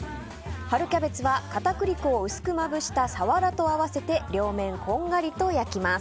春キャベツは片栗粉を薄くまぶしたサワラと合わせて両面こんがりと焼きます。